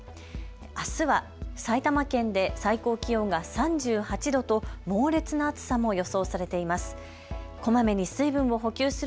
あすは埼玉県で最高気温が３８度と猛烈な暑さも予想されています。